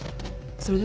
それで？